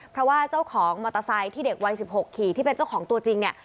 เพราะว่าเจ้าของมอเตอร์ไซค์ที่เด็กวัย๑๖ขี่ที่เป็นเจ้าของตัวจริงเนี่ย